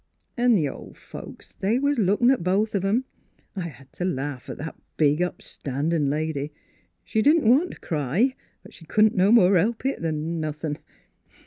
An' the ol' folks, they was lookin' at both of 'em, — I had t' laf at that big, up standin' lady ; she didn't want t' cry ; but she couldn't no more help it than nothin'.